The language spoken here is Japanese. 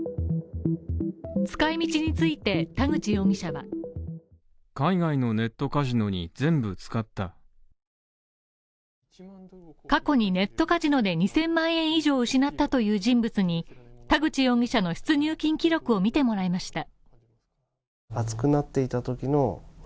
使いみちについて、田口容疑者は過去にネットカジノで２０００万円以上失ったという人物に田口容疑者の出入金記録を見てもらいました。